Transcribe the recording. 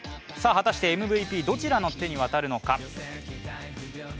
果たしてＭＶＰどちらの手に渡るのか。